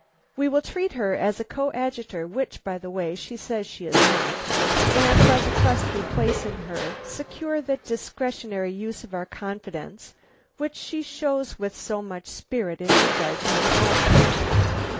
"We will treat her as a coadjutor, which, by the way, she says she is not, and by the trust we place in her, secure that discretionary use of our confidence which she shows with so much spirit in regard to her own."